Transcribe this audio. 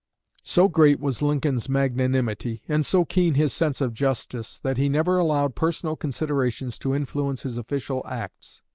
So great was Lincoln's magnanimity, and so keen his sense of justice, that he never allowed personal considerations to influence his official acts.